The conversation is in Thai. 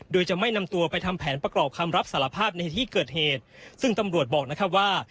โดยจะไม่นำตัวไปทำแผนประกอบคำรับสารภาพในที่เกิดเหตุซึ่งตำรวจบอกนะครับว่า